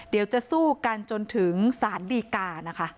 เดี๋ยวจะสู้กันจนถึงสารดีกานะคะ